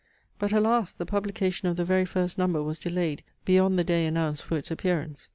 But alas! the publication of the very first number was delayed beyond the day announced for its appearance.